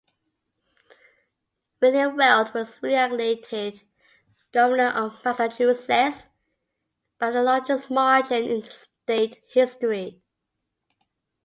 William Weld was re-elected Governor of Massachusetts by the largest margin in state history.